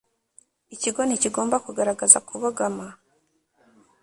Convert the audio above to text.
ikigo ntikigomba kugaragaza kubogama